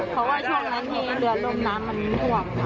เพราะว่าช่วงนั้นที่เรือล่มน้ำมันท่วม